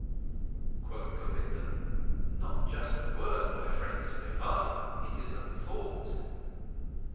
Quoth Govinda: "Not just a word, my friend, is Nirvana. It is a thought."